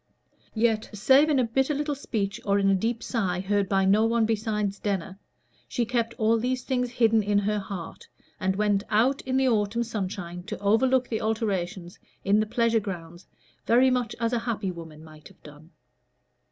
Yet, save in a bitter little speech, or in a deep sigh, heard by no one besides Denner, she kept all these things hidden in her heart, and went out in the autumn sunshine to overlook the alterations in the pleasure grounds very much as a happy woman might have done.